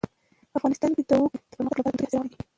افغانستان کې د وګړي د پرمختګ لپاره ګټورې هڅې روانې دي.